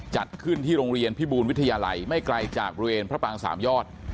จัดขึ้นที่โรงเรียนพิบูรวิทยาลัยไม่ไกลจากบริเวณพระปางสามยอด